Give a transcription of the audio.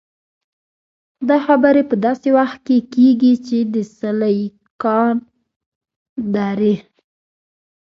دا خبرې په داسې وخت کې کېږي چې د 'سیليکان درې'.